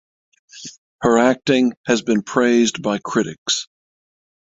Her acting has been praised by critics.